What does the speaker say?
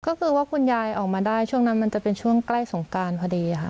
ก็คือว่าคุณยายออกมาได้ช่วงนั้นมันจะเป็นช่วงใกล้สงการพอดีค่ะ